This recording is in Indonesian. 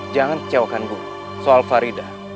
jangan kecewakan bu soal farida